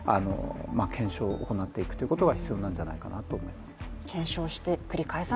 検証を行っていくということが必要なんじゃないかなと思います。